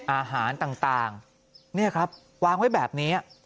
อาหารต่างนี่ครับวางไว้แบบนี้